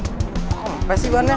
kempes sih warnanya